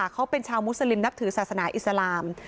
เขาเป็นชาวมุสลิมนับถือศาสนาอิสลาม